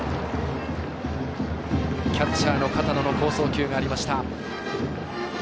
キャッチャーの片野の好送球がありました。